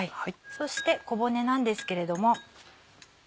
そして小骨なんですけれども。